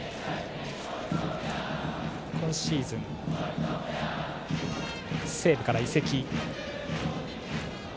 今シーズン西武から移籍。